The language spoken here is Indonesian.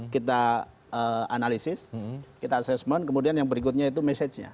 kita analisis kita assessment kemudian yang berikutnya itu message nya